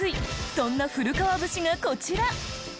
そんな古川節がこちら。